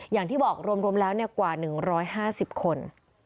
อย่างที่บอกรวมแล้วกว่า๑๕๐คน